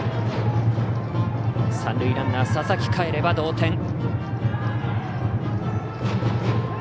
三塁ランナー佐々木かえれば同点。